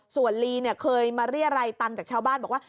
ส่วนลีเคยมาเรียร่ายตันจากชาวบ้านบอกว่า